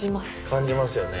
感じますよね。